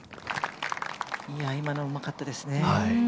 今の、うまかったですね。